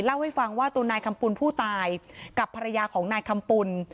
เล่าให้ฟังว่าตัวนายคำปุ่นผู้ตายกับภรรยาของนายคำปุ่น